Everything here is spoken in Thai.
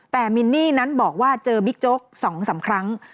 แต่มินนี่นั้นบอกว่าเจอบิ๊กโจ๊ก๒๓ครั้ง